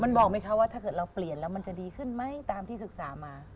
มันบอกไหมคะว่าถ้าเกิดเราเปลี่ยนแล้วมันจะดีขึ้นไหมตามที่ศึกษามา